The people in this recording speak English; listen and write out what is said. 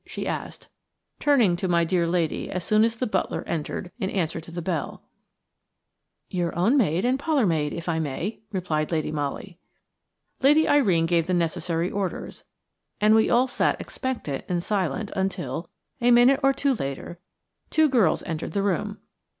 she asked, turning to my dear lady as soon as the butler entered in answer to the bell. "Your own maid and your parlour maid, if I may," replied Lady Molly. Lady Irene gave the necessary orders, and we all sat expectant and silent until, a minute or two later, two girls entered the room.